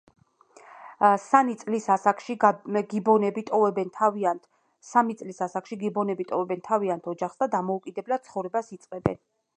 სანი წლის ასაკში გიბონები ტოვებენ თავიანთ ოჯახს და დამოუკიდებელად ცხოვრებას იწყებენ.